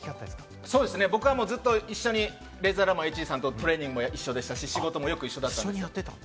僕は、ずっとレイザーラモンＨＧさんとトレーニング一緒でしたし、仕事もよく一緒になりました。